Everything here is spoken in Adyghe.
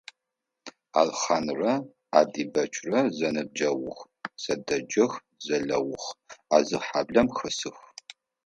Алхъанрэ Адибэчрэ зэныбджэгъух, зэдеджэх, зэлэгъух, а зы хьаблэм хэсых.